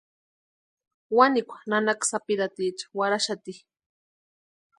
Wanikwa nanaka sapirhaticha warhaxati.